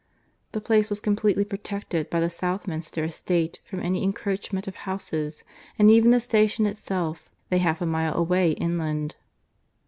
The place was completely protected by the Southminster estate from any encroachment of houses, and even the station itself lay half a mile away inland.